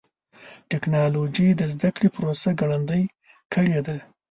ټکنالوجي د زدهکړې پروسه ګړندۍ کړې ده.